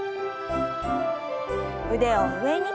腕を上に。